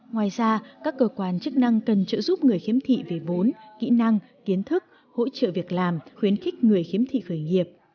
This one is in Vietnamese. ngoài ra các cơ quan chức năng cần trợ giúp người khiếm thị về vốn kỹ năng kiến thức hỗ trợ việc làm khuyến khích người khiếm thị khởi nghiệp